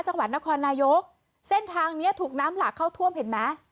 จังหวัดนครนายกเส้นทางเนี้ยถูกน้ำหลากเข้าท่วมเห็นไหม